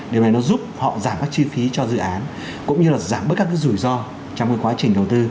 điều này nó giúp họ giảm các chi phí cho dự án cũng như là giảm bớt các rủi ro trong quá trình đầu tư